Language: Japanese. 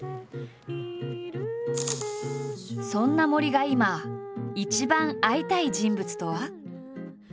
そんな森が今一番会いたい人物とは。